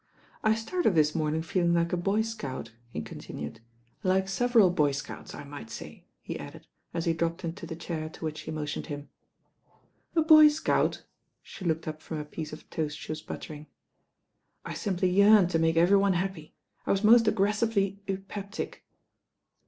"I started this morning feeling like a boy scout," he continued; "like several boy scouts, I might say," he added, as he dropped into the chair to which she motioned him. "A boy scout I" She looked up from a piece cf toast she was buttering. "I simply yearned to make every one happy. I was most aggressively eupeptic."